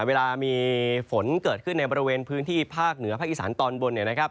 เวลามีฝนเกิดขึ้นในบริเวณพื้นที่ภาคเหนือภาคอีสานตอนบน